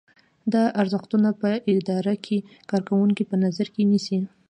دا ارزښتونه په اداره کې کارکوونکي په نظر کې نیسي.